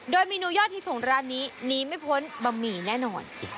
โดยเมนูยอดฮิตของร้านนี้หนีไม่พ้นบะหมี่แน่นอน